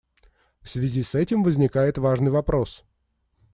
В связи с этим возникает важный вопрос.